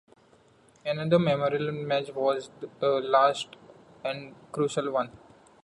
Another memorable match was the last and crucial one.